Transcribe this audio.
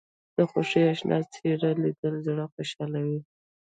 د خوښۍ اشنا څېره لیدل زړه خوشحالوي